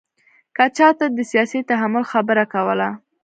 که چاته دې د سیاسي تحمل خبره کوله.